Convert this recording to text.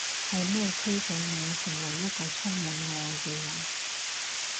係咩驅使你成為一個充滿愛嘅人？